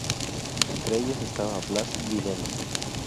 Entre ellos estaba Blas Videla.